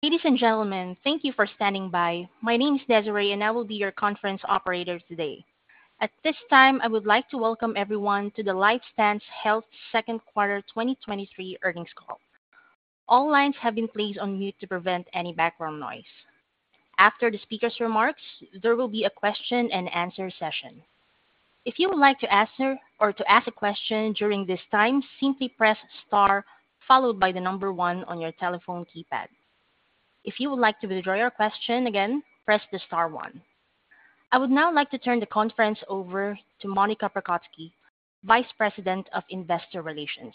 Ladies and gentlemen, thank you for standing by. My name is Desiree, and I will be your conference operator today. At this time, I would like to welcome everyone to the LifeStance Health Second Quarter 2023 Earnings Call. All lines have been placed on mute to prevent any background noise. After the speaker's remarks, there will be a question and answer session. If you would like to answer or to ask a question during this time, simply press Star followed by the one on your telephone keypad. If you would like to withdraw your question, again, press the star one. I would now like to turn the conference over to Monica Prokocki, Vice President of Investor Relations.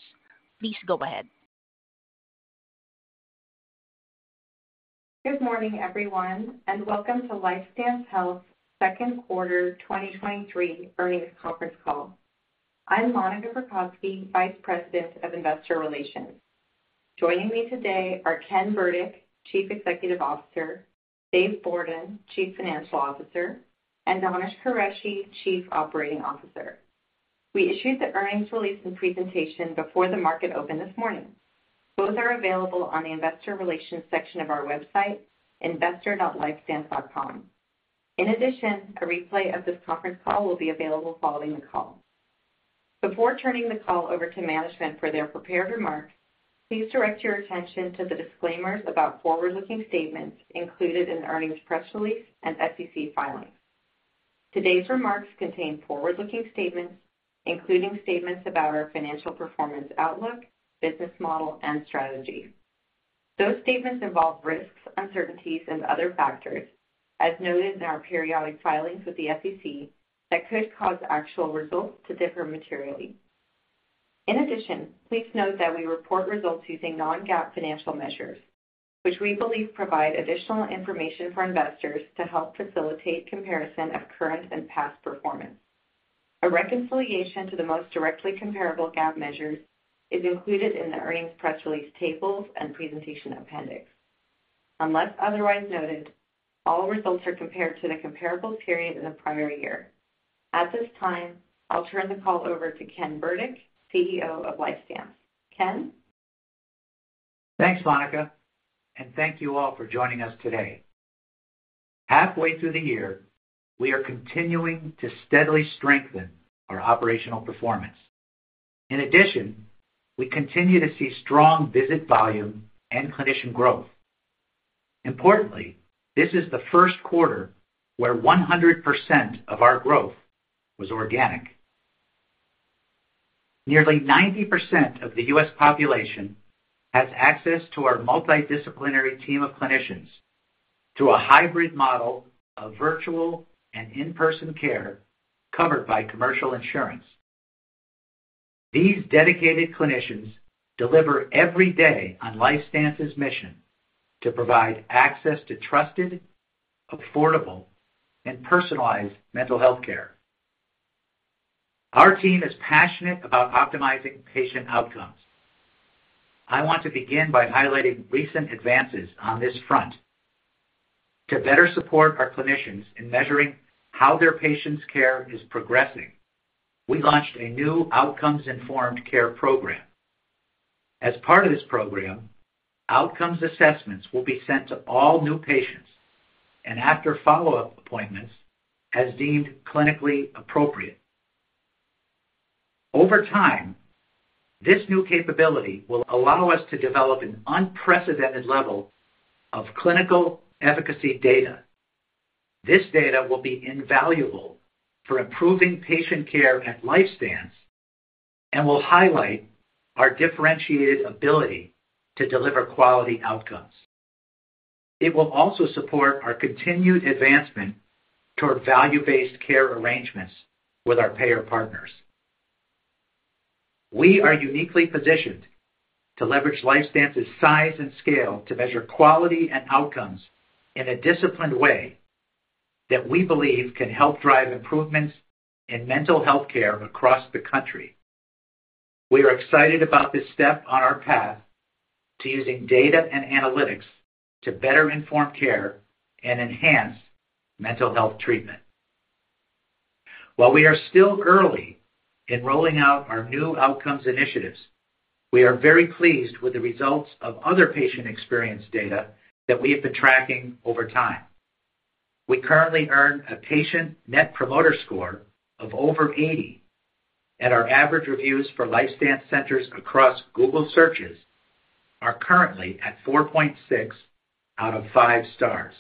Please go ahead. Good morning, everyone, welcome to LifeStance Health's second quarter 2023 earnings conference call. I'm Monica Prokocki, Vice President of Investor Relations. Joining me today are Ken Burdick, Chief Executive Officer; Dave Bourdon, Chief Financial Officer; and Danish Qureshi, Chief Operating Officer. We issued the earnings release and presentation before the market opened this morning. Both are available on the investor relations section of our website, investor.lifestance.com. In addition, a replay of this conference call will be available following the call. Before turning the call over to management for their prepared remarks, please direct your attention to the disclaimers about forward-looking statements included in the earnings press release and SEC filings. Today's remarks contain forward-looking statements, including statements about our financial performance outlook, business model, and strategy. Those statements involve risks, uncertainties, and other factors, as noted in our periodic filings with the SEC that could cause actual results to differ materially. In addition, please note that we report results using non-GAAP financial measures, which we believe provide additional information for investors to help facilitate comparison of current and past performance. A reconciliation to the most directly comparable GAAP measures is included in the earnings press release tables and presentation appendix. Unless otherwise noted, all results are compared to the comparable period in the prior year. At this time, I'll turn the call over to Ken Burdick, CEO of LifeStance. Ken? Thanks, Monica, and thank you all for joining us today. Halfway through the year, we are continuing to steadily strengthen our operational performance. In addition, we continue to see strong visit volume and clinician growth. Importantly, this is the first quarter where 100% of our growth was organic. Nearly 90% of the U.S. population has access to our multidisciplinary team of clinicians through a hybrid model of virtual and in-person care covered by commercial insurance. These dedicated clinicians deliver every day on LifeStance's mission to provide access to trusted, affordable, and personalized mental health care. Our team is passionate about optimizing patient outcomes. I want to begin by highlighting recent advances on this front. To better support our clinicians in measuring how their patients' care is progressing, we launched a new outcomes-informed care program. As part of this program, outcomes assessments will be sent to all new patients and after follow-up appointments as deemed clinically appropriate. Over time, this new capability will allow us to develop an unprecedented level of clinical efficacy data. This data will be invaluable for improving patient care at LifeStance and will highlight our differentiated ability to deliver quality outcomes. It will also support our continued advancement toward value-based care arrangements with our payer partners. We are uniquely positioned to leverage LifeStance's size and scale to measure quality and outcomes in a disciplined way that we believe can help drive improvements in mental health care across the country. We are excited about this step on our path to using data and analytics to better inform care and enhance mental health treatment. While we are still early in rolling out our new outcomes initiatives, we are very pleased with the results of other patient experience data that we have been tracking over time. We currently earn a patient Net Promoter Score of over 80, and our average reviews for LifeStance centers across Google searches are currently at 4.6 out of 5 stars.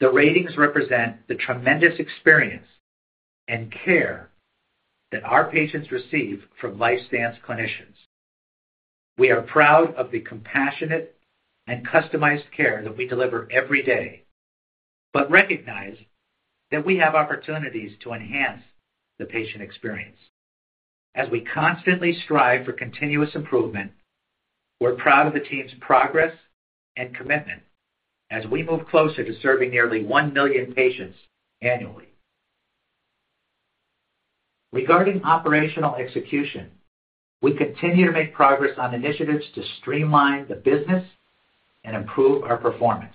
The ratings represent the tremendous experience and care that our patients receive from LifeStance clinicians. We are proud of the compassionate and customized care that we deliver every day, recognize that we have opportunities to enhance the patient experience. As we constantly strive for continuous improvement, we're proud of the team's progress and commitment as we move closer to serving nearly 1 million patients annually. Regarding operational execution, we continue to make progress on initiatives to streamline the business and improve our performance....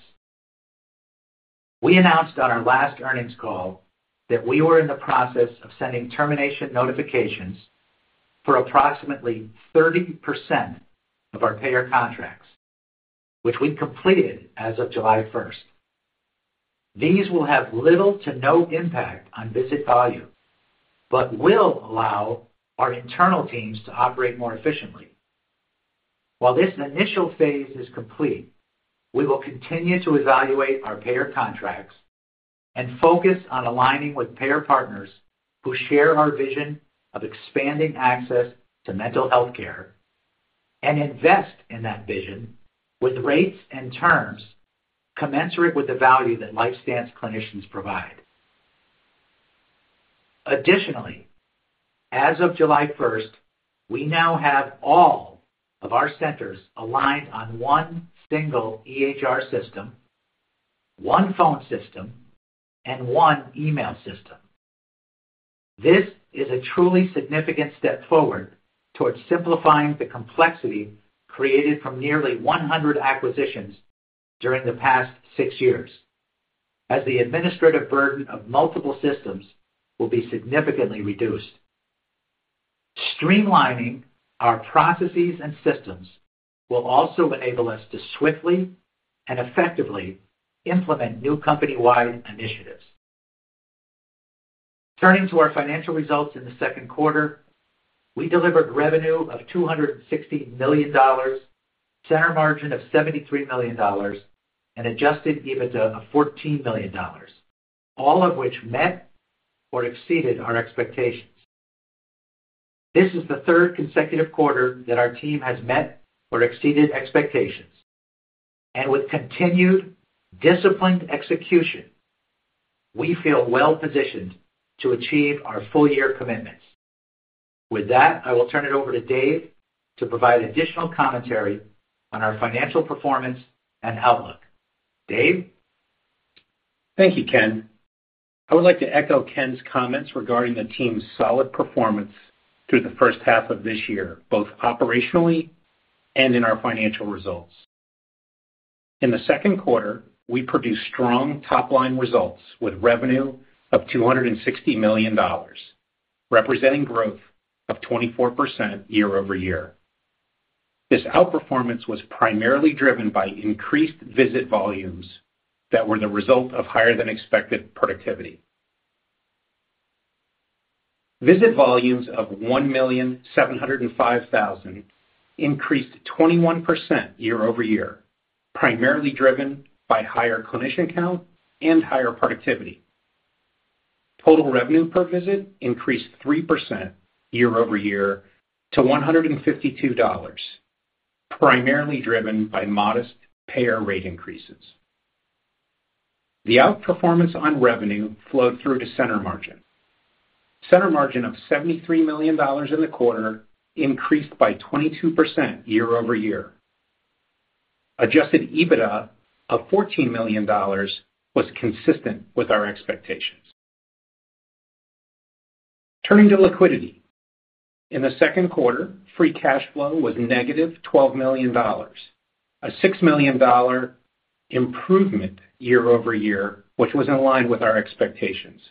We announced on our last earnings call that we were in the process of sending termination notifications for approximately 30% of our payer contracts, which we completed as of July first. These will have little to no impact on visit volume, but will allow our internal teams to operate more efficiently. While this initial phase is complete, we will continue to evaluate our payer contracts and focus on aligning with payer partners who share our vision of expanding access to mental health care and invest in that vision with rates and terms commensurate with the value that LifeStance clinicians provide. Additionally, as of July first, we now have all of our centers aligned on one single EHR system, one phone system, and one email system. This is a truly significant step forward towards simplifying the complexity created from nearly 100 acquisitions during the past 6 years, as the administrative burden of multiple systems will be significantly reduced. Streamlining our processes and systems will also enable us to swiftly and effectively implement new company-wide initiatives. Turning to our financial results in the second quarter, we delivered revenue of $260 million, Center Margin of $73 million, and Adjusted EBITDA of $14 million, all of which met or exceeded our expectations. This is the third consecutive quarter that our team has met or exceeded expectations, and with continued disciplined execution, we feel well positioned to achieve our full-year commitments. With that, I will turn it over to Dave to provide additional commentary on our financial performance and outlook. Dave? Thank you, Ken. I would like to echo Ken's comments regarding the team's solid performance through the first half of this year, both operationally and in our financial results. In the second quarter, we produced strong top-line results, with revenue of $260 million, representing growth of 24% year-over-year. This outperformance was primarily driven by increased visit volumes that were the result of higher than expected productivity. Visit volumes of 1,705,000 increased 21% year-over-year, primarily driven by higher clinician count and higher productivity. Total revenue per visit increased 3% year-over-year to $152, primarily driven by modest payer rate increases. The outperformance on revenue flowed through to Center Margin. Center Margin of $73 million in the quarter increased by 22% year-over-year. Adjusted EBITDA of $14 million was consistent with our expectations. Turning to liquidity. In the second quarter, free cash flow was negative $12 million, a $6 million improvement year-over-year, which was in line with our expectations.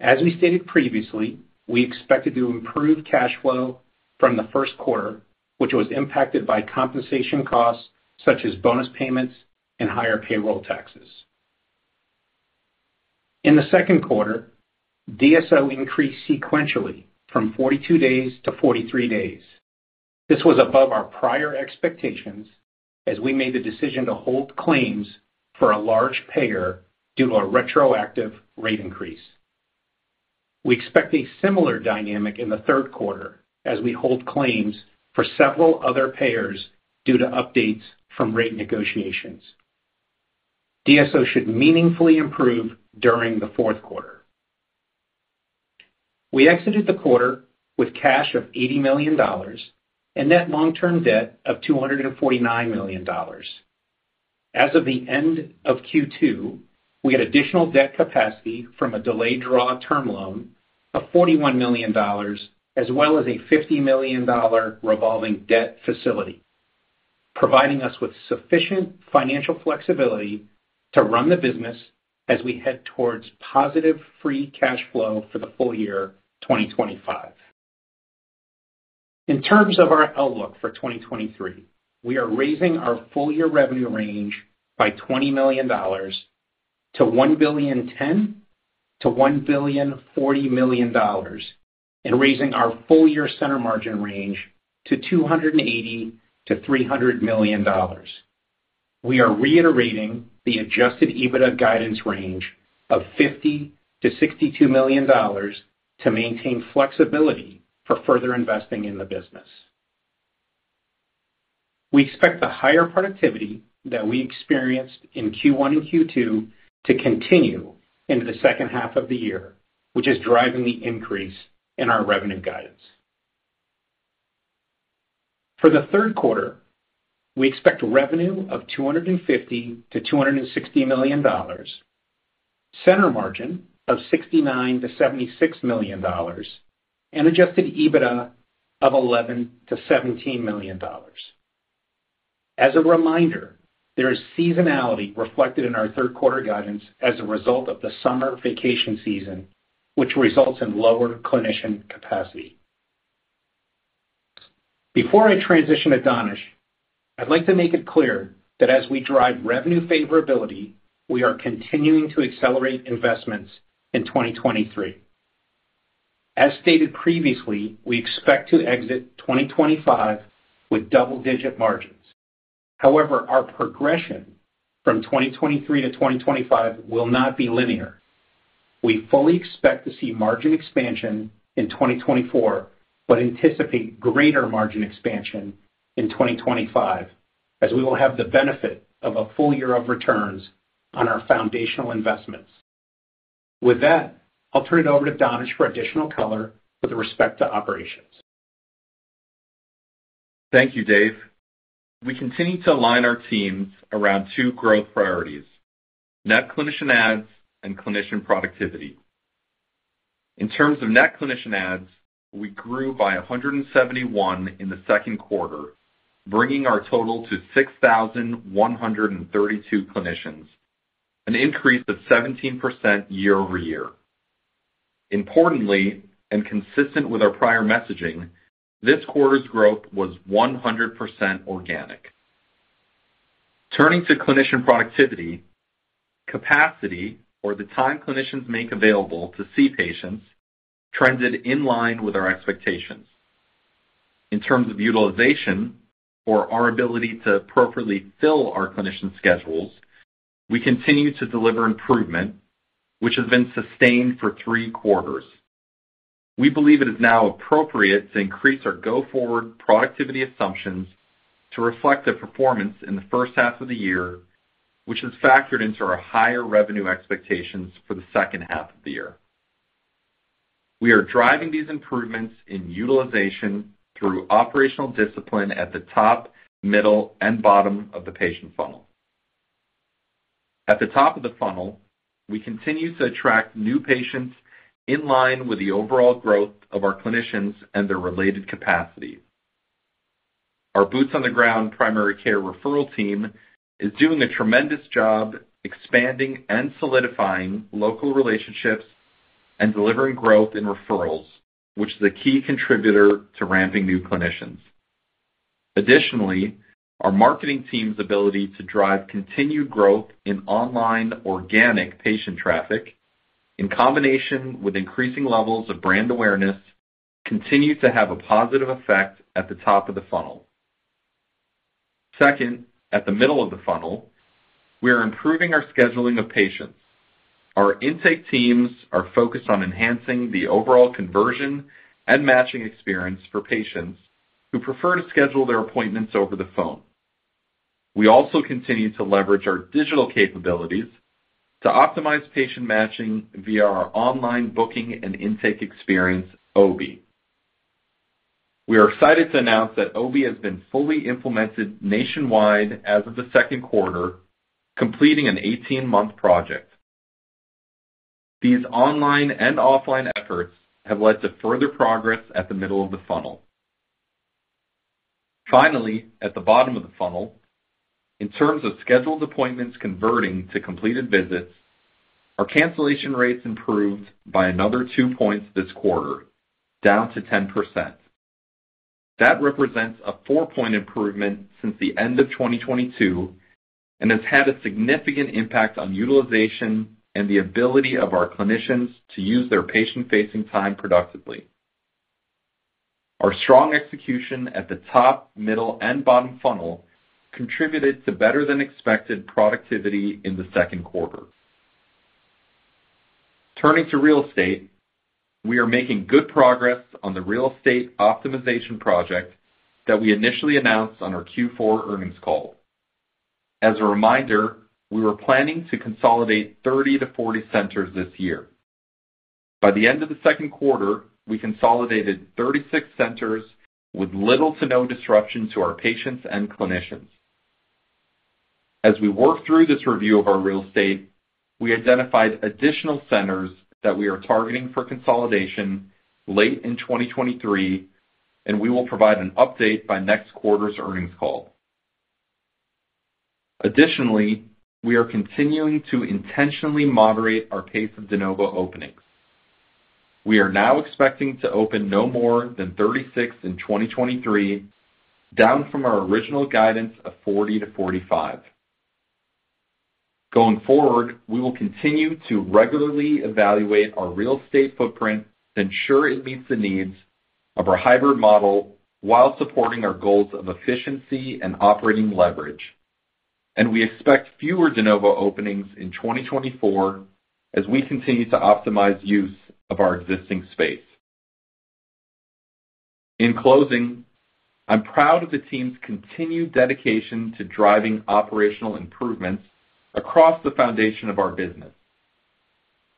As we stated previously, we expected to improve cash flow from the first quarter, which was impacted by compensation costs such as bonus payments and higher payroll taxes. In the second quarter, DSO increased sequentially from 42 days to 43 days. This was above our prior expectations, as we made the decision to hold claims for a large payer due to a retroactive rate increase. We expect a similar dynamic in the third quarter as we hold claims for several other payers due to updates from rate negotiations. DSO should meaningfully improve during the fourth quarter. We exited the quarter with cash of $80 million and net long-term debt of $249 million. As of the end of Q2, we had additional debt capacity from a delayed draw term loan of $41 million, as well as a $50 million revolving debt facility, providing us with sufficient financial flexibility to run the business as we head towards positive free cash flow for the full year 2025. In terms of our outlook for 2023, we are raising our full-year revenue range by $20 million to $1,010 million-$1,040 million and raising our full-year Center Margin range to $280 million-$300 million. We are reiterating the Adjusted EBITDA guidance range of $50 million-$62 million to maintain flexibility for further investing in the business. We expect the higher productivity that we experienced in Q1 and Q2 to continue into the second half of the year, which is driving the increase in our revenue guidance. For the third quarter, we expect revenue of $250 million-$260 million, Center Margin of $69 million-$76 million, and Adjusted EBITDA of $11 million-$17 million. As a reminder, there is seasonality reflected in our third quarter guidance as a result of the summer vacation season, which results in lower clinician capacity. Before I transition to Danish, I'd like to make it clear that as we drive revenue favorability, we are continuing to accelerate investments in 2023. As stated previously, we expect to exit 2025 with double-digit margins. However, our progression from 2023-2025 will not be linear. We fully expect to see margin expansion in 2024, but anticipate greater margin expansion in 2025, as we will have the benefit of a full year of returns on our foundational investments. With that, I'll turn it over to Danish for additional color with respect to operations. Thank you, Dave. We continue to align our teams around two growth priorities: net clinician adds and clinician productivity. In terms of net clinician adds, we grew by 171 in the second quarter, bringing our total to 6,132 clinicians, an increase of 17% year-over-year. Importantly, and consistent with our prior messaging, this quarter's growth was 100% organic. Turning to clinician productivity, capacity, or the time clinicians make available to see patients, trended in line with our expectations. In terms of utilization, or our ability to appropriately fill our clinician schedules, we continue to deliver improvement, which has been sustained for three quarters. We believe it is now appropriate to increase our go-forward productivity assumptions to reflect the performance in the first half of the year, which is factored into our higher revenue expectations for the second half of the year. We are driving these improvements in utilization through operational discipline at the top, middle, and bottom of the patient funnel. At the top of the funnel, we continue to attract new patients in line with the overall growth of our clinicians and their related capacity. Our boots-on-the-ground primary care referral team is doing a tremendous job expanding and solidifying local relationships and delivering growth in referrals, which is a key contributor to ramping new clinicians. Additionally, our marketing team's ability to drive continued growth in online organic patient traffic, in combination with increasing levels of brand awareness, continue to have a positive effect at the top of the funnel. Second, at the middle of the funnel, we are improving our scheduling of patients. Our intake teams are focused on enhancing the overall conversion and matching experience for patients who prefer to schedule their appointments over the phone. We also continue to leverage our digital capabilities to optimize patient matching via our online booking and intake experience, OBI. We are excited to announce that OBI has been fully implemented nationwide as of the second quarter, completing an 18-month project. These online and offline efforts have led to further progress at the middle of the funnel. Finally, at the bottom of the funnel, in terms of scheduled appointments converting to completed visits, our cancellation rates improved by another 2 points this quarter, down to 10%. That represents a 4-point improvement since the end of 2022 and has had a significant impact on utilization and the ability of our clinicians to use their patient-facing time productively. Our strong execution at the top, middle, and bottom funnel contributed to better-than-expected productivity in the second quarter. Turning to real estate, we are making good progress on the real estate optimization project that we initially announced on our Q4 earnings call. As a reminder, we were planning to consolidate 30-40 centers this year. By the end of the second quarter, we consolidated 36 centers with little to no disruption to our patients and clinicians. As we worked through this review of our real estate, we identified additional centers that we are targeting for consolidation late in 2023, and we will provide an update by next quarter's earnings call. Additionally, we are continuing to intentionally moderate our pace of de novo openings. We are now expecting to open no more than 36 in 2023, down from our original guidance of 40-45. Going forward, we will continue to regularly evaluate our real estate footprint to ensure it meets the needs of our hybrid model while supporting our goals of efficiency and operating leverage. We expect fewer de novo openings in 2024 as we continue to optimize use of our existing space. In closing, I'm proud of the team's continued dedication to driving operational improvements across the foundation of our business.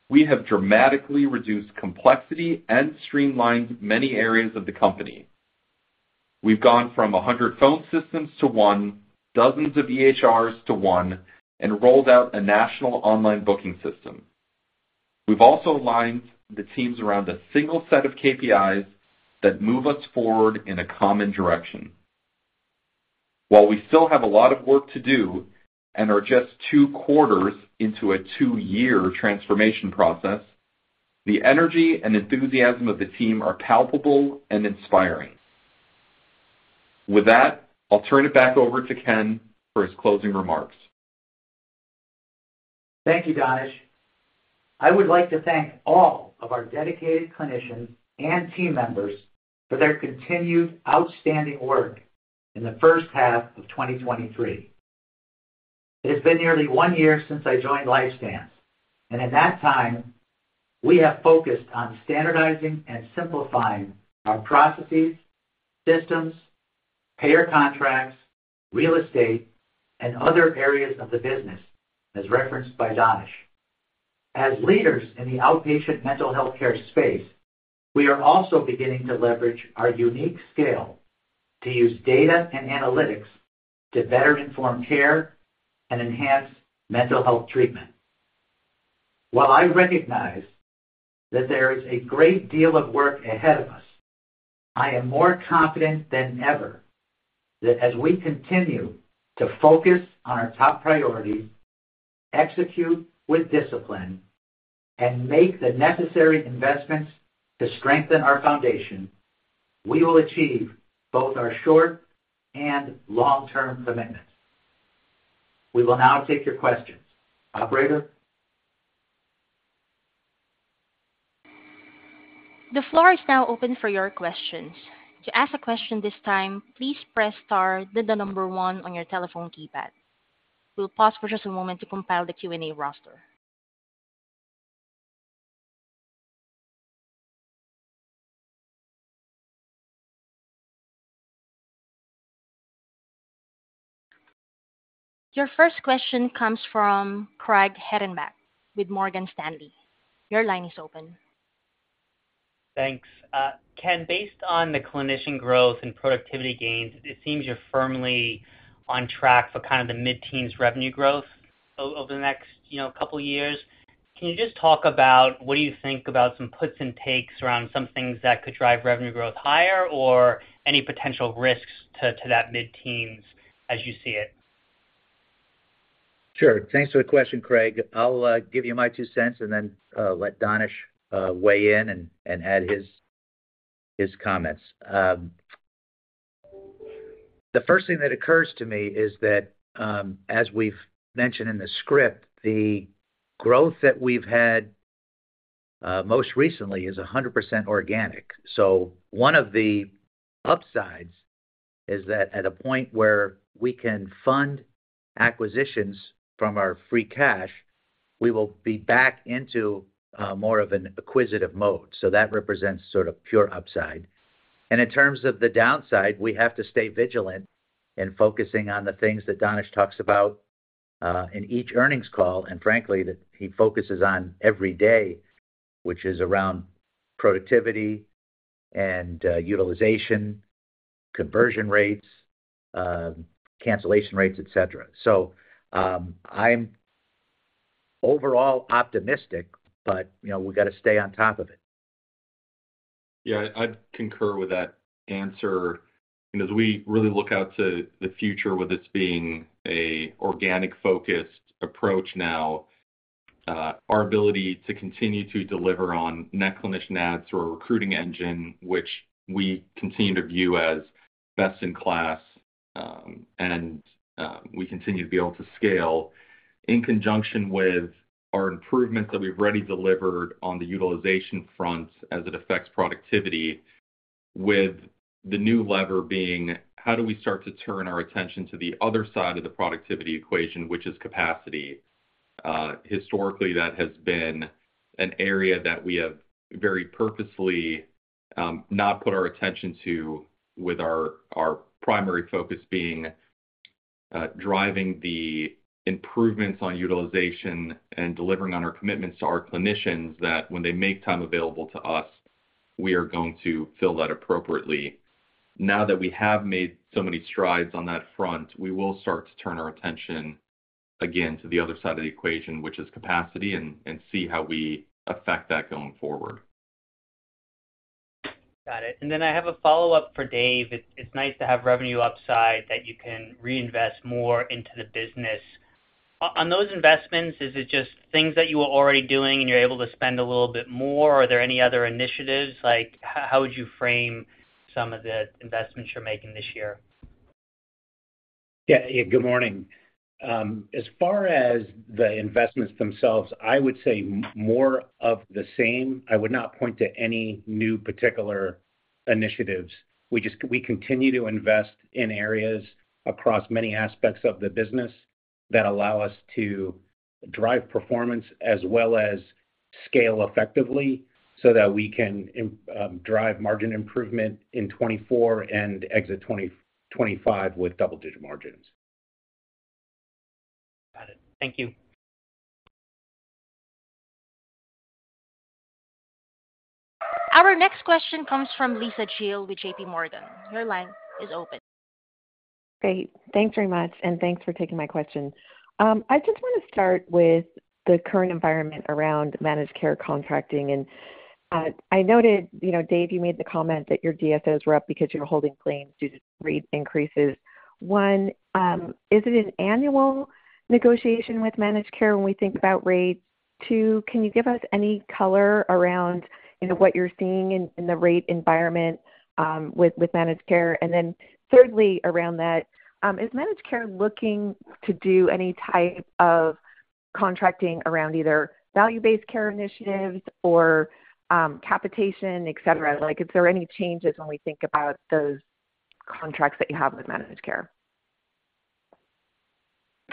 We have dramatically reduced complexity and streamlined many areas of the company. We've gone from 100 phone systems to one, dozens of EHRs to one, and rolled out a national online booking system. We've also aligned the teams around a single set of KPIs that move us forward in a common direction. While we still have a lot of work to do and are just 2 quarters into a 2-year transformation process, the energy and enthusiasm of the team are palpable and inspiring. With that, I'll turn it back over to Ken for his closing remarks. Thank you, Danish. I would like to thank all of our dedicated clinicians and team members for their continued outstanding work in the first half of 2023. It has been nearly 1 year since I joined LifeStance, and in that time, we have focused on standardizing and simplifying our processes, systems, payer contracts, real estate, and other areas of the business, as referenced by Danish. As leaders in the outpatient mental healthcare space, we are also beginning to leverage our unique scale to use data and analytics to better inform care and enhance mental health treatment. While I recognize that there is a great deal of work ahead of us, I am more confident than ever that as we continue to focus on our top priorities, execute with discipline, and make the necessary investments to strengthen our foundation, we will achieve both our short and long-term commitments. We will now take your questions. Operator? The floor is now open for your questions. To ask a question this time, please press star, then the number one on your telephone keypad. We'll pause for just a moment to compile the Q&A roster. Your first question comes from Craig Hettenbach with Morgan Stanley. Your line is open. Thanks. Ken, based on the clinician growth and productivity gains, it seems you're firmly on track for kind of the mid-teens revenue growth over the next, you know, couple of years. Can you just talk about what do you think about some puts and takes around some things that could drive revenue growth higher or any potential risks to, to that mid-teens as you see it? Sure. Thanks for the question, Craig. I'll give you my two cents and then let Danish weigh in and add his, his comments. The first thing that occurs to me is that as we've mentioned in the script, the growth that we've had most recently is 100% organic. One of the upsides is that at a point where we can fund acquisitions from our free cash, we will be back into more of an acquisitive mode. That represents sort of pure upside. In terms of the downside, we have to stay vigilant in focusing on the things that Danish talks about in each earnings call, and frankly, that he focuses on every day, which is around productivity and utilization, conversion rates, cancellation rates, et cetera. I'm overall optimistic, but, you know, we've got to stay on top of it. Yeah, I'd concur with that answer. As we really look out to the future, with this being a organic-focused approach now, our ability to continue to deliver on net clinician adds through a recruiting engine, which we continue to view as best-in-class, and we continue to be able to scale in conjunction with our improvements that we've already delivered on the utilization front as it affects productivity, with the new lever being: How do we start to turn our attention to the other side of the productivity equation, which is capacity? Historically, that has been an area that we have very purposefully, not put our attention to, with our, our primary focus being, driving the improvements on utilization and delivering on our commitments to our clinicians, that when they make time available to us, we are going to fill that appropriately. Now that we have made so many strides on that front, we will start to turn our attention again to the other side of the equation, which is capacity, and, and see how we affect that going forward. Got it. Then I have a follow-up for Dave. It's nice to have revenue upside that you can reinvest more into the business. On those investments, is it just things that you were already doing and you're able to spend a little bit more, or are there any other initiatives? Like, how would you frame some of the investments you're making this year? Yeah. Good morning. As far as the investments themselves, I would say more of the same. I would not point to any new particular initiatives. We continue to invest in areas across many aspects of the business that allow us to drive performance as well as scale effectively, so that we can drive margin improvement in 2024 and exit 2025 with double-digit margins. Got it. Thank you. Our next question comes from Lisa Gill with J.P. Morgan. Your line is open. Great. Thanks very much, and thanks for taking my question. I just want to start with the current environment around managed care contracting, I noted, you know, Dave, you made the comment that your DSOs were up because you're holding claims due to rate increases. 1, is it an annual negotiation with managed care when we think about rates? 2, can you give us any color around, you know, what you're seeing in, in the rate environment with, with managed care? Thirdly, around that, is managed care looking to do any type of contracting around either value-based care initiatives or capitation, et cetera? Like, is there any changes when we think about those contracts that you have with managed care?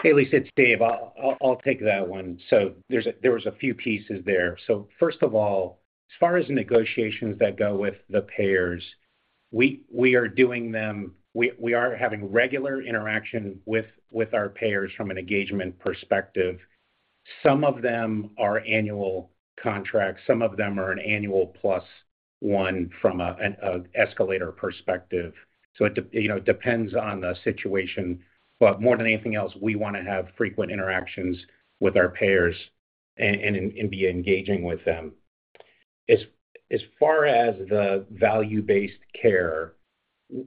Hey, Lisa, it's Dave. I'll take that one. There's a few pieces there. First of all, as far as negotiations that go with the payers, we are having regular interaction with our payers from an engagement perspective. Some of them are annual contracts. Some of them are an annual plus one from an escalator perspective. It, you know, depends on the situation, but more than anything else, we want to have frequent interactions with our payers and be engaging with them. As far as the value-based care,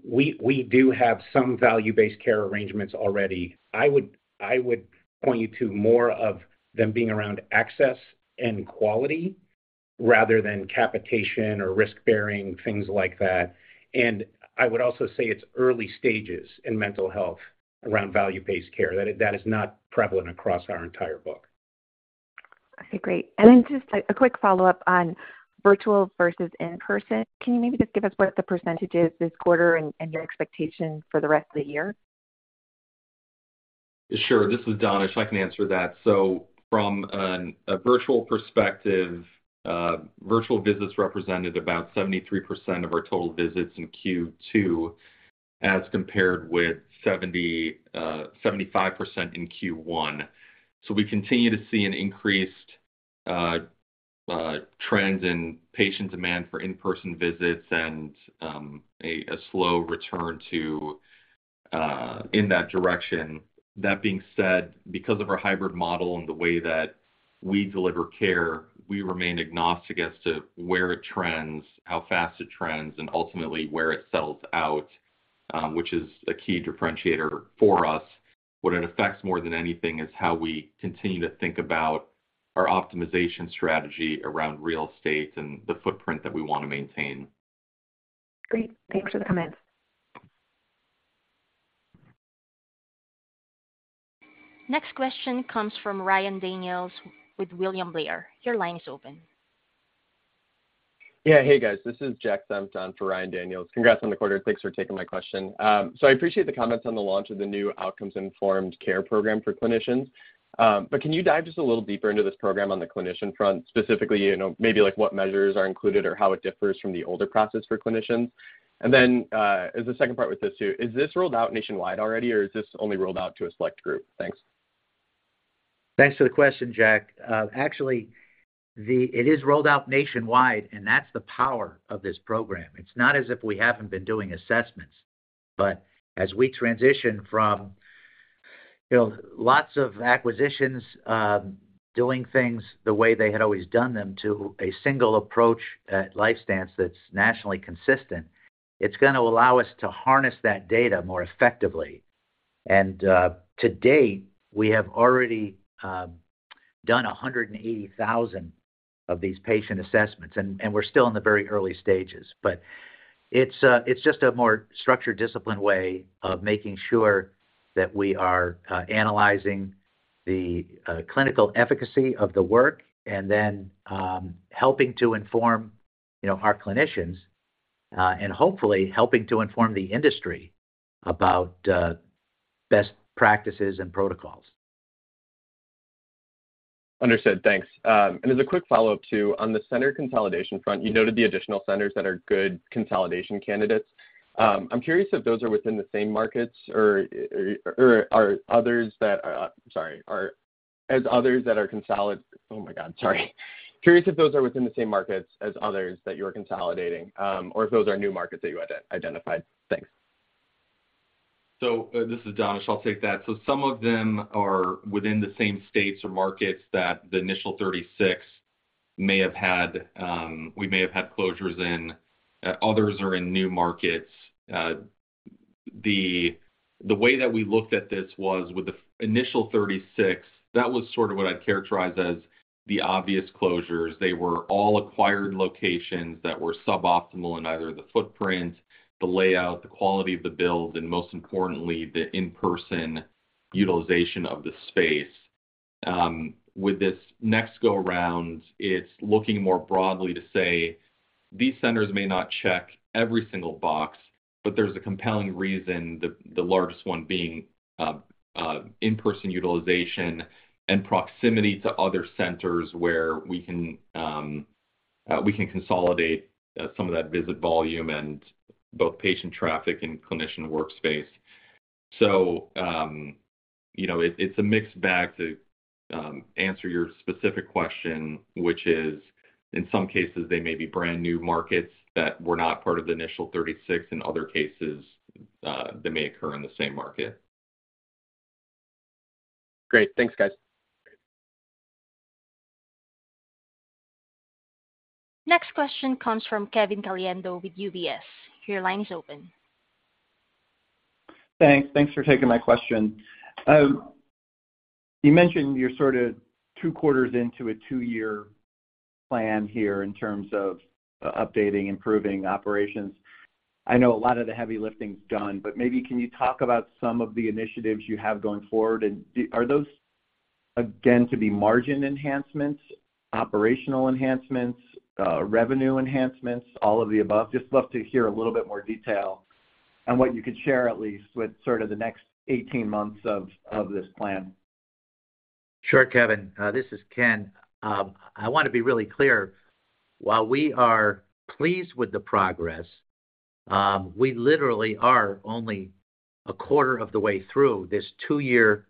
we do have some value-based care arrangements already. I would point you to more of them being around access and quality rather than capitation or risk-bearing, things like that. I would also say it's early stages in mental health around value-based care. That is, that is not prevalent across our entire book. Okay, great. Then just a quick follow-up on virtual versus in-person. Can you maybe just give us what the percentage is this quarter and your expectations for the rest of the year? Sure. This is Danish. I can answer that. From a virtual perspective, virtual visits represented about 73% of our total visits in Q2, as compared with 75% in Q1. We continue to see an increased trend in patient demand for in-person visits and a slow return to in that direction. That being said, because of our hybrid model and the way that we deliver care, we remain agnostic as to where it trends, how fast it trends, and ultimately where it settles out, which is a key differentiator for us. What it affects more than anything is how we continue to think about our optimization strategy around real estate and the footprint that we want to maintain. Great. Thanks for the comments. Next question comes from Ryan Daniels with William Blair. Your line is open. Yeah. Hey, guys. This is Jack Senft for Ryan Daniels. Congrats on the quarter, thanks for taking my question. I appreciate the comments on the launch of the new Outcomes-Informed Care program for clinicians. Can you dive just a little deeper into this program on the clinician front, specifically, you know, maybe like what measures are included or how it differs from the older process for clinicians? As a second part with this too, is this rolled out nationwide already, or is this only rolled out to a select group? Thanks. Thanks for the question, Jack. Actually, it is rolled out nationwide, and that's the power of this program. It's not as if we haven't been doing assessments, but as we transition from, you know, lots of acquisitions, doing things the way they had always done them to a single approach at LifeStance that's nationally consistent, it's gonna allow us to harness that data more effectively. To date, we have already done 180,000 of these patient assessments, and we're still in the very early stages. It's just a more structured, disciplined way of making sure that we are analyzing the clinical efficacy of the work and then helping to inform, you know, our clinicians, and hopefully helping to inform the industry about best practices and protocols. Understood. Thanks. As a quick follow-up too, on the center consolidation front, you noted the additional centers that are good consolidation candidates. I'm curious if those are within the same markets as others that you're consolidating, or if those are new markets that you identified. Thanks. This is Danish. I'll take that. Some of them are within the same states or markets that the initial 36 may have had, we may have had closures in. Others are in new markets. The way that we looked at this was with the initial 36, that was sort of what I'd characterize as the obvious closures. They were all acquired locations that were suboptimal in either the footprint, the layout, the quality of the build, and most importantly, the in-person utilization of the space. With this next go around, it's looking more broadly to say: these centers may not check every single box, but there's a compelling reason, the, the largest one being, in-person utilization and proximity to other centers where we can, we can consolidate, some of that visit volume and both patient traffic and clinician workspace. You know, it, it's a mixed bag to answer your specific question, which is, in some cases, they may be brand new markets that were not part of the initial 36. In other cases, they may occur in the same market. Great. Thanks, guys. Next question comes from Kevin Caliendo with UBS. Your line is open. Thanks. Thanks for taking my question. You mentioned you're sort of 2 quarters into a 2-year plan here in terms of updating, improving operations. I know a lot of the heavy lifting is done, but maybe can you talk about some of the initiatives you have going forward? Are those, again, to be margin enhancements, operational enhancements, revenue enhancements, all of the above? Just love to hear a little bit more detail on what you could share, at least with sort of the next 18 months of this plan. Sure, Kevin. This is Ken. I want to be really clear. While we are pleased with the progress, we literally are only a quarter of the way through this two-year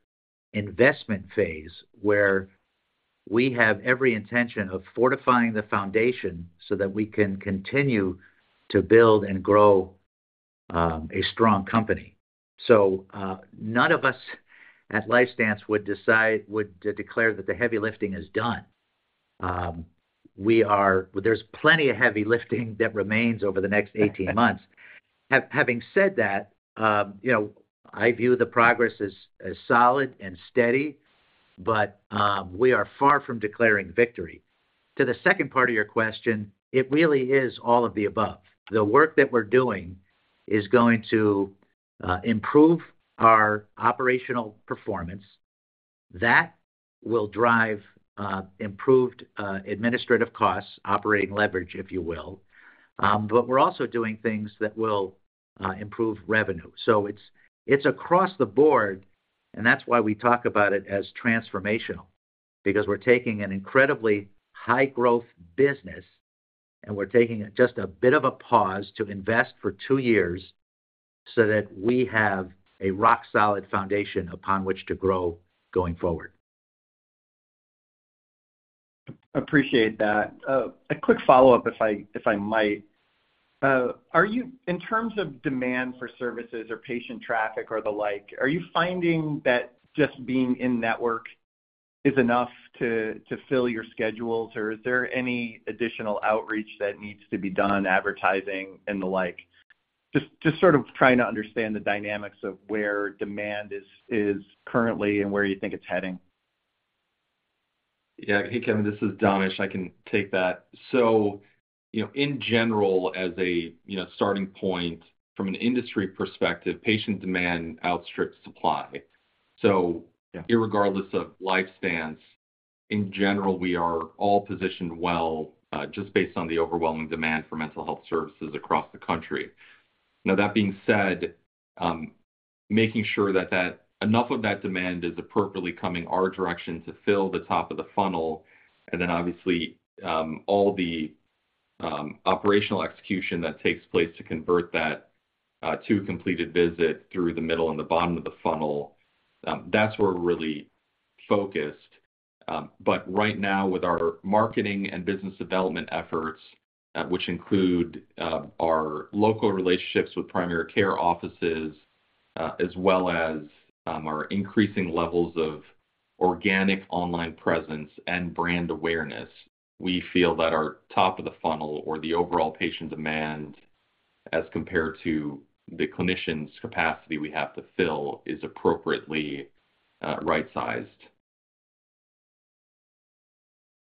investment phase, where we have every intention of fortifying the foundation so that we can continue to build and grow, a strong company. None of us at LifeStance would declare that the heavy lifting is done. There's plenty of heavy lifting that remains over the next 18 months. Having said that, you know, I view the progress as, as solid and steady, but, we are far from declaring victory. To the second part of your question, it really is all of the above. The work that we're doing is going to, improve our operational performance. That will drive improved administrative costs, operating leverage, if you will. We're also doing things that will improve revenue. It's, it's across the board, and that's why we talk about it as transformational, because we're taking an incredibly high-growth business, and we're taking just a bit of a pause to invest for 2 years so that we have a rock-solid foundation upon which to grow going forward. Appreciate that. A quick follow-up, if I, if I might. In terms of demand for services or patient traffic or the like, are you finding that just being in-network is enough to fill your schedules, or is there any additional outreach that needs to be done, advertising and the like? Just sort of trying to understand the dynamics of where demand is currently and where you think it's heading. Yeah. Hey, Kevin, this is Danish. I can take that. You know, in general, as a, you know, starting point from an industry perspective, patient demand outstrips supply. Yeah... regardless of LifeStance, in general, we are all positioned well, just based on the overwhelming demand for mental health services across the country. That being said, making sure that, that enough of that demand is appropriately coming our direction to fill the top of the funnel, and then obviously, all the operational execution that takes place to convert that to a completed visit through the middle and the bottom of the funnel, that's where we're really focused. Right now, with our marketing and business development efforts, which include our local relationships with primary care offices, as well as our increasing levels of organic online presence and brand awareness, we feel that our top of the funnel or the overall patient demand as compared to the clinicians' capacity we have to fill, is appropriately right-sized.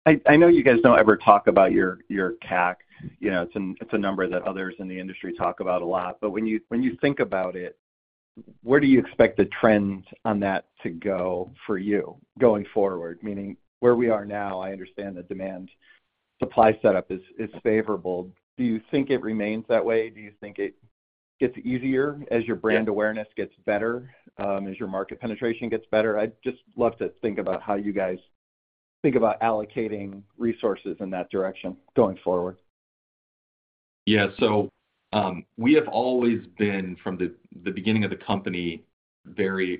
I know you guys don't ever talk about your CAC. You know, it's a number that others in the industry talk about a lot. When you think about it, where do you expect the trends on that to go for you going forward? Meaning where we are now, I understand the demand/supply setup is favorable. Do you think it remains that way? Do you think it gets easier as your brand... Yeah... awareness gets better, as your market penetration gets better. I'd just love to think about how you guys think about allocating resources in that direction going forward. Yeah. We have always been, from the, the beginning of the company, very,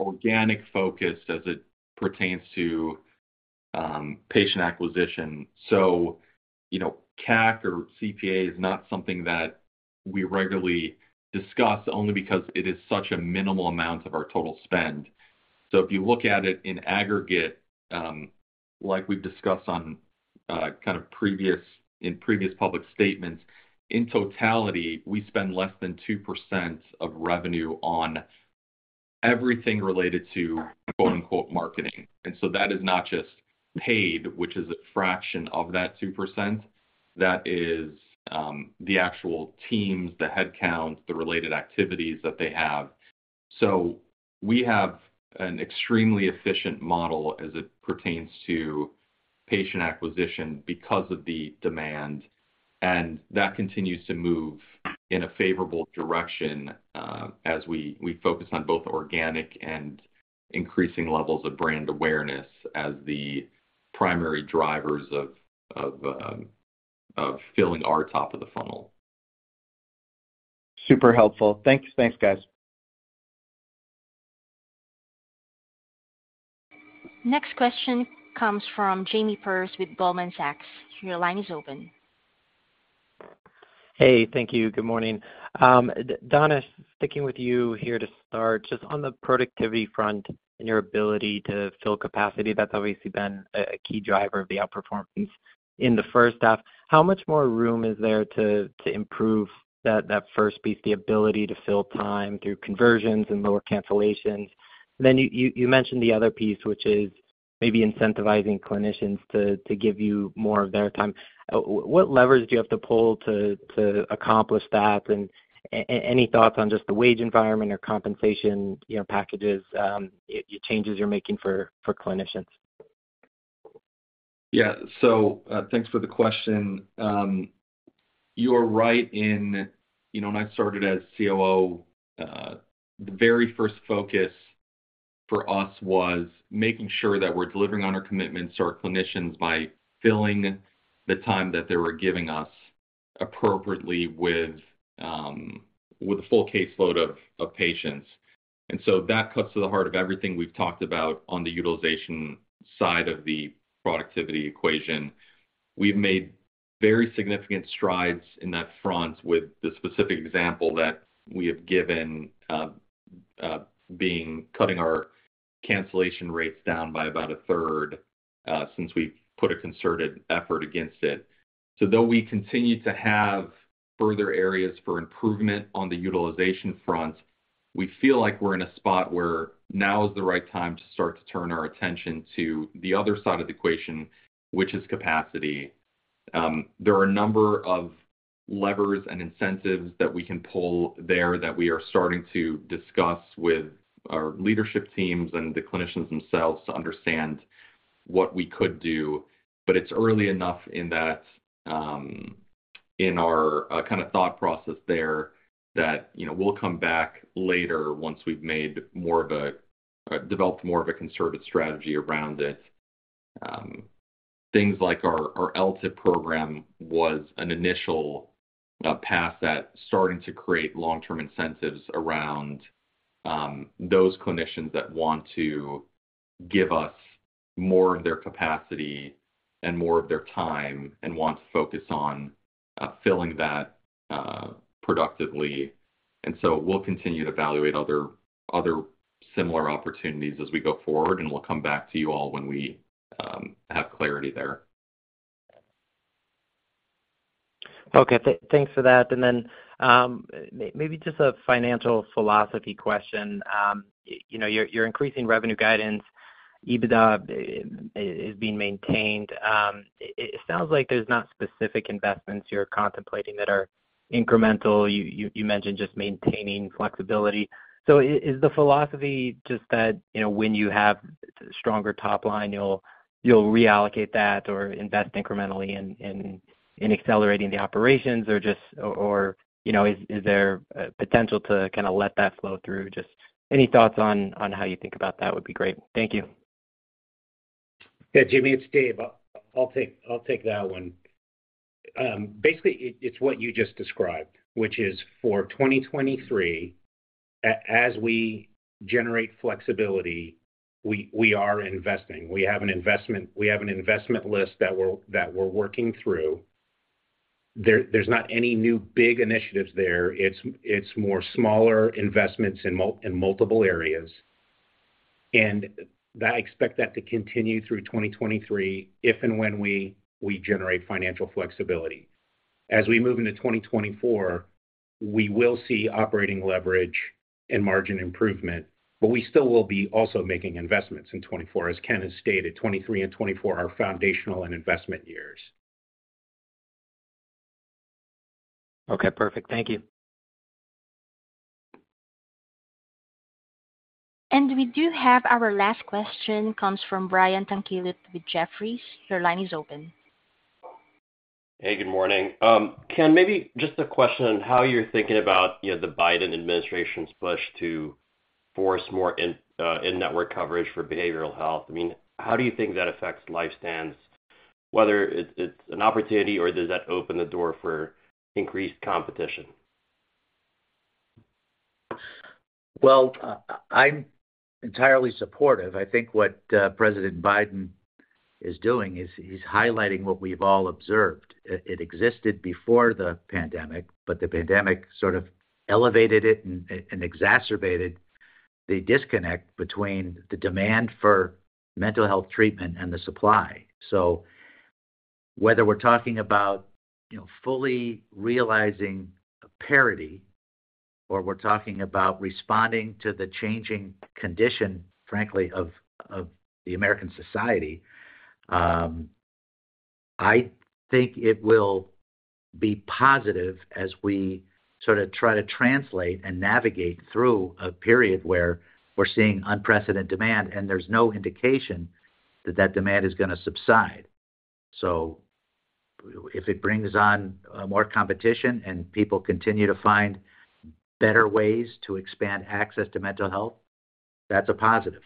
organic focused as it pertains to, patient acquisition. You know, CAC or CPA is not something that we regularly discuss, only because it is such a minimal amount of our total spend. If you look at it in aggregate, like we've discussed on, in previous public statements, in totality, we spend less than 2% of revenue on everything related to, quote, unquote, "marketing." That is not just paid, which is a fraction of that 2%. That is, the actual teams, the headcount, the related activities that they have. We have an extremely efficient model as it pertains to patient acquisition because of the demand, and that continues to move in a favorable direction, as we, we focus on both organic and increasing levels of brand awareness as the primary drivers of, of, of filling our top of the funnel. Super helpful. Thanks. Thanks, guys. Next question comes from Jamie Perse with Goldman Sachs. Your line is open. Hey, thank you. Good morning. Don, sticking with you here to start, just on the productivity front and your ability to fill capacity, that's obviously been a key driver of the outperformance in the first half. How much more room is there to improve that first piece, the ability to fill time through conversions and lower cancellations? You mentioned the other piece, which is maybe incentivizing clinicians to give you more of their time. What levers do you have to pull to accomplish that? Any thoughts on just the wage environment or compensation, you know, packages, changes you're making for clinicians? Yeah. Thanks for the question. You're right in, you know, when I started as COO, the very first focus for us was making sure that we're delivering on our commitments to our clinicians by filling the time that they were giving us appropriately with a full caseload of patients. That cuts to the heart of everything we've talked about on the utilization side of the productivity equation. We've made very significant strides in that front with the specific example that we have given, being cutting our cancellation rates down by about a third since we've put a concerted effort against it. Though we continue to have further areas for improvement on the utilization front, we feel like we're in a spot where now is the right time to start to turn our attention to the other side of the equation, which is capacity. There are a number of levers and incentives that we can pull there that we are starting to discuss with our leadership teams and the clinicians themselves to understand what we could do. It's early enough in that, in our, kind of thought process there that, you know, we'll come back later once we've made more of a, developed more of a concerted strategy around it. Things like our, our LTIP program was an initial path that's starting to create long-term incentives around those clinicians that want to give us more of their capacity and more of their time and want to focus on filling that productively. So we'll continue to evaluate other, other similar opportunities as we go forward, and we'll come back to you all when we have clarity there. Okay. Thanks for that. Then, maybe just a financial philosophy question. You know, you're, you're increasing revenue guidance. EBITDA is being maintained. It sounds like there's not specific investments you're contemplating that are incremental. You mentioned just maintaining flexibility. Is the philosophy just that, you know, when you have stronger top line, you'll reallocate that or invest incrementally in accelerating the operations? Or just... You know, is there potential to kind of let that flow through? Just any thoughts on how you think about that would be great. Thank you. Yeah, Jamie, it's Dave. I'll, I'll take, I'll take that one. Basically, it, it's what you just described, which is for 2023, as we generate flexibility, we, we are investing. We have an investment, we have an investment list that we're, that we're working through. There, there's not any new big initiatives there. It's, it's more smaller investments in multiple areas, and I expect that to continue through 2023, if and when we, we generate financial flexibility. As we move into 2024, we will see operating leverage and margin improvement, but we still will be also making investments in 2024. As Ken has stated, 2023 and 2024 are foundational and investment years. Okay, perfect. Thank you. we do have our last question, comes from Brian Tanquilut with Jefferies. Your line is open. Hey, good morning. Ken, maybe just a question on how you're thinking about, you know, the Biden administration's push to force more in, in-network coverage for behavioral health. I mean, how do you think that affects LifeStance? Whether it's an opportunity or does that open the door for increased competition? Well, I, I'm entirely supportive. I think what President Biden is doing is he's highlighting what we've all observed. It, it existed before the pandemic, but the pandemic sort of elevated it and, and exacerbated the disconnect between the demand for mental health treatment and the supply. Whether we're talking about, you know, fully realizing parity, or we're talking about responding to the changing condition, frankly, of, of the American society, I think it will be positive as we sort of try to translate and navigate through a period where we're seeing unprecedented demand, and there's no indication that that demand is going to subside. If it brings on, more competition and people continue to find better ways to expand access to mental health, that's a positive.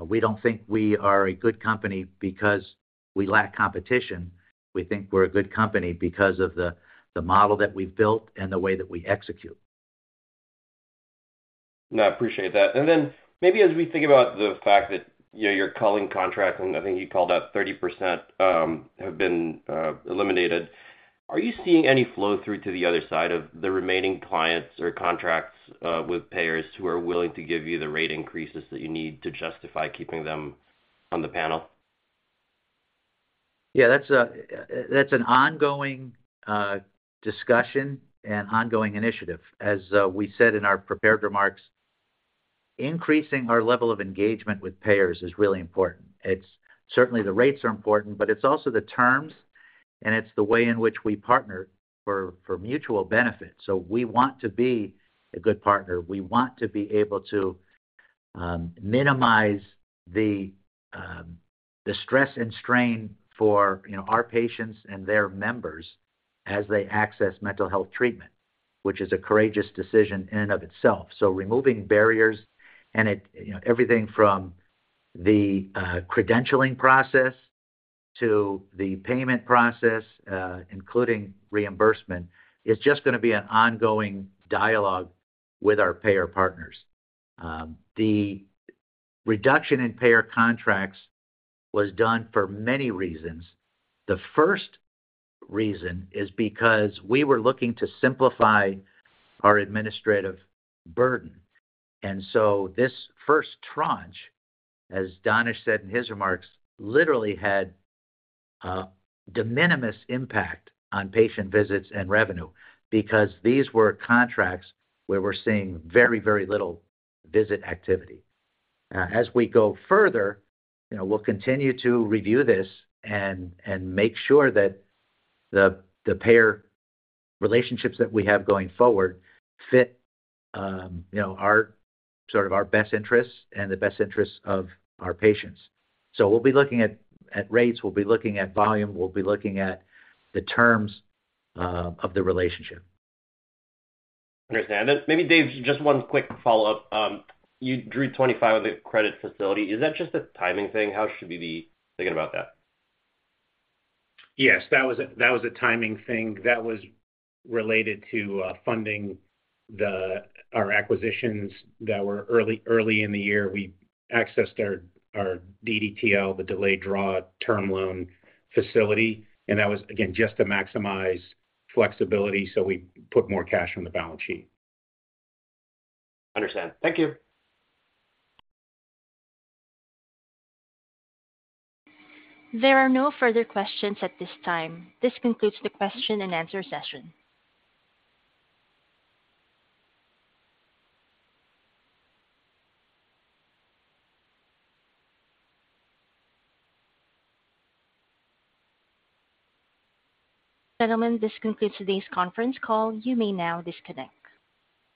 We don't think we are a good company because we lack competition. We think we're a good company because of the, the model that we've built and the way that we execute. No, I appreciate that. Then maybe as we think about the fact that, you know, you're culling contracts, and I think you called out 30% have been eliminated. Are you seeing any flow-through to the other side of the remaining clients or contracts with payers who are willing to give you the rate increases that you need to justify keeping them on the panel? Yeah, that's a, that's an ongoing discussion and ongoing initiative. As we said in our prepared remarks, increasing our level of engagement with payers is really important. It's certainly, the rates are important. It's also the terms, and it's the way in which we partner for, for mutual benefit. We want to be a good partner. We want to be able to minimize the stress and strain for, you know, our patients and their members as they access mental health treatment, which is a courageous decision in and of itself. Removing barriers and it, you know, everything from the credentialing process to the payment process, including reimbursement, is just gonna be an ongoing dialogue with our payer partners. The reduction in payer contracts was done for many reasons. The first reason is because we were looking to simplify our administrative burden, and so this first tranche, as Danish said in his remarks, literally had a de minimis impact on patient visits and revenue because these were contracts where we're seeing very, very little visit activity. As we go further, you know, we'll continue to review this and, and make sure that the, the payer relationships that we have going forward fit, you know, our sort of our best interests and the best interests of our patients. We'll be looking at, at rates, we'll be looking at volume, we'll be looking at the terms of the relationship. Understand. Maybe, Dave, just one quick follow-up. You drew $25 of the credit facility. Is that just a timing thing? How should we be thinking about that? Yes, that was a, that was a timing thing that was related to funding our acquisitions that were early, early in the year. We accessed our, our DDTL, the delayed draw term loan facility. That was, again, just to maximize flexibility, so we put more cash on the balance sheet. Understand. Thank you. There are no further questions at this time. This concludes the question and answer session. Gentlemen, this concludes today's conference call. You may now disconnect.